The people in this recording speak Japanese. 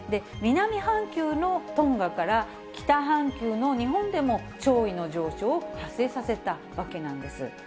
南半球のトンガから、北半球の日本でも潮位の上昇を発生させたわけなんです。